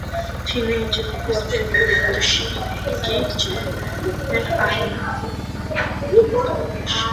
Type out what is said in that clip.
თინეიჯერობის პერიოდში იგი ჯერ ანკარაში ცხოვრობდა, ხოლო შემდგომ, პროფესიონალური კალათბურთის სათამაშოდ სტამბოლში გადავიდა.